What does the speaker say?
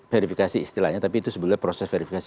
verifikasi istilahnya tapi itu sebenarnya proses verifikasi